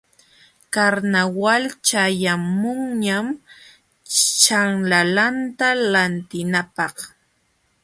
Karnawal ćhayaqmunñam ćhanlalanta lantinapaq.